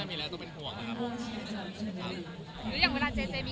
อย่างเวลาเจเจมีข่าวเยอะอะไรอย่างเงี้ยข่าวแบบนี้สุด